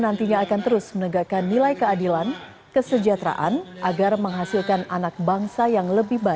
nantinya akan terus menegakkan nilai keadilan kesejahteraan agar menghasilkan anak bangsa yang lebih baik